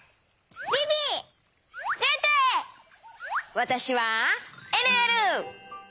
わたしはえるえる！